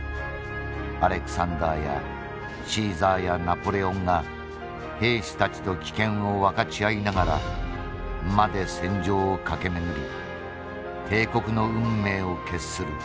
アレクサンダーやシーザーやナポレオンが兵士たちと危険を分かち合いながら馬で戦場を駆け巡り帝国の運命を決する。